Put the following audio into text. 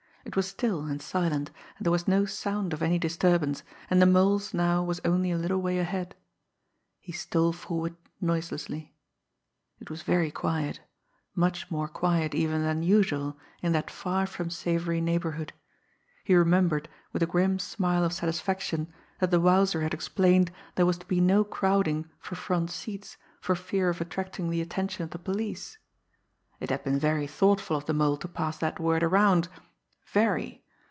It was still and silent, there was no sound of any disturbance, and the Mole's now was only a little way ahead. He stole forward noiselessly. It was very quiet much more quiet even than usual in that far from savoury neighbourhood. He remembered, with a grim smile of satisfaction, that the Wowzer had explained there was to be no crowding for front seats for fear of attracting the attention of the police. It had been very thoughtful of the Mole to pass that word around very!